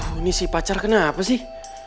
ini si pacar kenapa sih